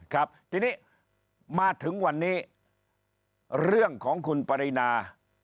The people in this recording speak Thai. ครับทีนี้มาถึงวันนี้เรื่องของคุณปรินา